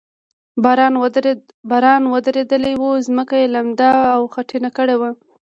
باران ورېدلی و، ځمکه یې لنده او خټینه کړې وه.